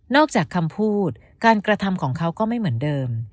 จากคำพูดการกระทำของเขาก็ไม่เหมือนเดิม